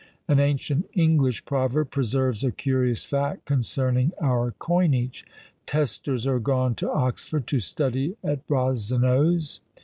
An ancient English proverb preserves a curious fact concerning our coinage. _Testers are gone to Oxford, to study at Brazennose.